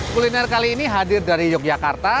kuliner kali ini hadir dari yogyakarta